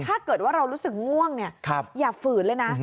ถ้าเกิดว่าเรารู้สึกง่วงเนี่ยอย่าฝืนเลยนะ